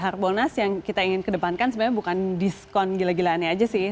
harbolnas yang kita ingin kedepankan sebenarnya bukan diskon gila gilaannya aja sih